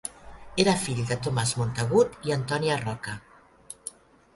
Era fill de Tomàs Montagut i Antònia Roca.